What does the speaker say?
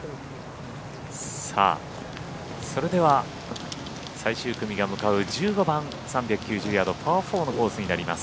それでは最終組が向かう１５番、３９０ヤードパー４のコースになります。